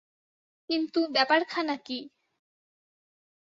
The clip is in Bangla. কিন্তু ব্যাপারখানা কী।